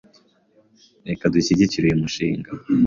Reka dushyigikire uyu mushinga.